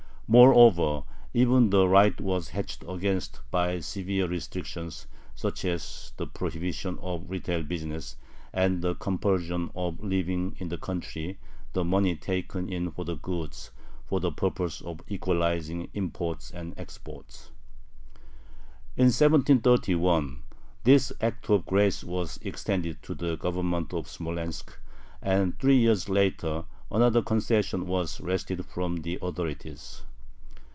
Moreover, even this right was hedged about by severe restrictions, such as the prohibition of retail business, and the compulsion of leaving in the country the money taken in for their goods, for the purpose of equalizing imports and exports. In 1731, this act of "grace" was extended to the Government of Smolensk, and three years later another concession was wrested from the authorities.